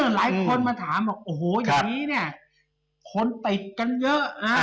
หลายคนมาถามโอ้โหอย่างนี้คนไปกันเยอะ